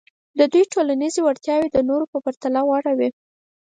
د دوی ټولنیزې وړتیاوې د نورو په پرتله غوره وې.